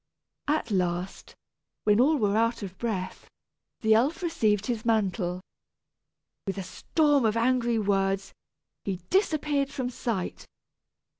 At last, when all were out of breath, the elf received his mantle. With a storm of angry words, he disappeared from sight.